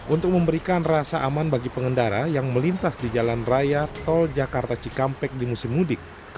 untuk memberikan rasa aman bagi pengendara yang melintas di jalan raya tol jakarta cikampek di musim mudik